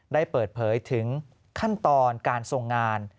ได้เปิดเผยถึงขั้นตอนการทรงงาน